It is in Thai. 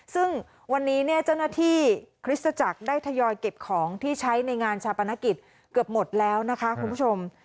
ซึ่งวันนี้เนี่ยเจ้าหน้าที่คริสตจักรได้ทยอยเก็บของที่ใช้ในงานชาปนกิจเกือบหมดแล้วนะคะคุณผู้ชม